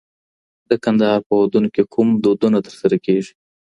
د کندهار په ودونو کي کوم دودونه ترسره کيږي؟